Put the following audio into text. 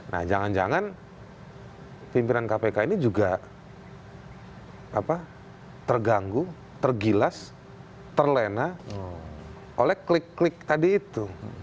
nah jangan jangan pimpinan kpk ini juga terganggu tergilas terlena oleh klik klik tadi itu